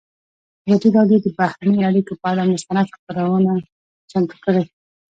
ازادي راډیو د بهرنۍ اړیکې پر اړه مستند خپرونه چمتو کړې.